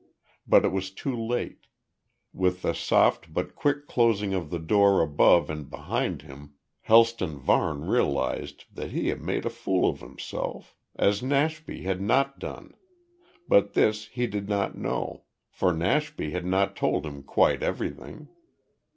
But it was too late. With the soft but quick closing of the door above and behind him, Helston Varne realised that he had made a fool of himself as Nashby had not done; but this he did not know, for Nashby had not told him quite everything.